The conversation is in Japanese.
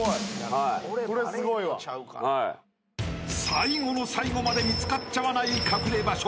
［最後の最後まで見つかっちゃわない隠れ場所］